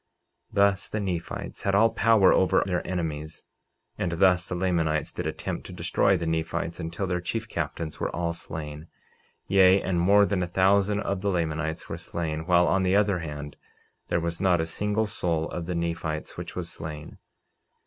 49:23 Thus the Nephites had all power over their enemies; and thus the Lamanites did attempt to destroy the Nephites until their chief captains were all slain; yea, and more than a thousand of the Lamanites were slain; while, on the other hand, there was not a single soul of the Nephites which was slain.